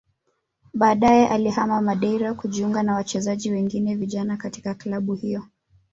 Baadaye alihama Madeira kujiunga na wachezaji wengine vijana katika klabu hiyo